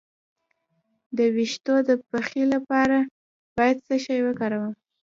د ویښتو د پخې لپاره باید څه شی وکاروم؟